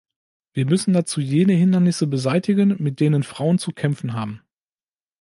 Wir müssen dazu jene Hindernisse beseitigen, mit denen Frauen zu kämpfen haben.